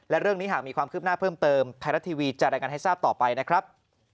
และเรื่องนี้หากมีความคืบหน้าเพิ่มเติมไทยรัฐทีวีจะรายงานให้ทราบต่อไปนะครับ